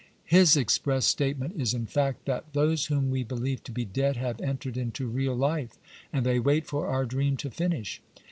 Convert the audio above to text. ^ His express state ment is in fact that " those whom we believe to be dead, have entered into real life, and they wait for our dream to finish."